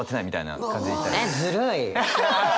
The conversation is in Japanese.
えっずるい！